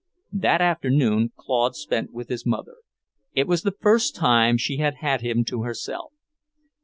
That afternoon Claude spent with his mother. It was the first time she had had him to herself.